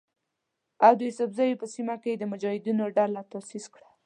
او د یوسفزیو په سیمه کې یې د مجاهدینو ډله تاسیس کړه.